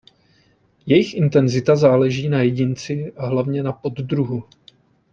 Jejich intenzita záleží na jedinci a hlavně na poddruhu.